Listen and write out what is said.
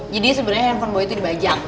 jadi sebenernya handphone boy tuh dibajak